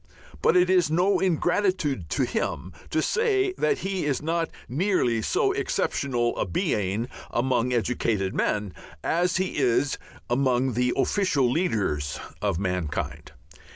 But it is no ingratitude to him to say that he is not nearly so exceptional a being among educated men as he is among the official leaders of mankind.